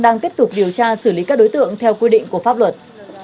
đang tiếp tục điều tra xử lý các đối tượng theo quy định của pháp luật